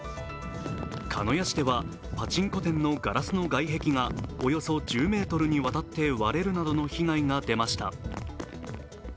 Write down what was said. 鹿屋市ではパチンコ店のガラスの外壁がおよそ１０ｍにわたって割れるなどの被害が出ました。